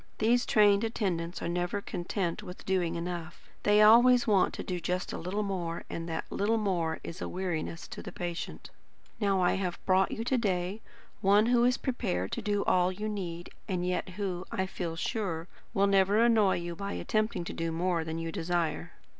These trained attendants are never content with doing enough; they always want to do just a little more, and that little more is a weariness to the patient. Now I have brought you to day one who is prepared to do all you need, and yet who, I feel sure, will never annoy you by attempting more than you desire.